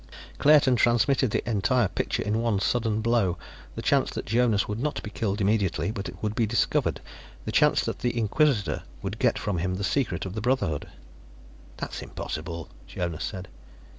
Claerten transmitted the entire picture in one sudden blow: the chance that Jonas would not be killed immediately, but would be discovered; the chance that the Inquisitor would get from him the secret of the Brotherhood "That's impossible," Jonas said.